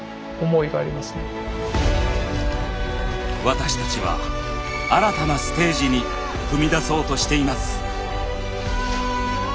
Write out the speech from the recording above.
私たちは新たなステージに踏み出そうとしています。